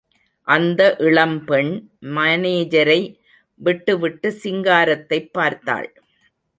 அந்த இளம்பெண், மானேஜரை விட்டு விட்டு சிங்காரத்தைப் பார்த்தாள்.